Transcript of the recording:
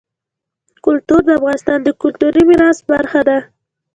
کلتور د افغانستان د کلتوري میراث برخه ده.